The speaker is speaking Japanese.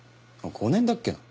５年だっけな？